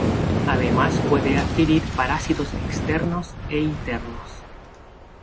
Además puede adquirir parásitos externos e internos.